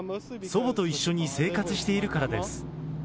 祖母と一緒に生活しているからです。